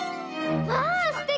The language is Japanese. わあすてき！